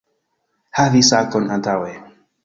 Havi sakon antaŭe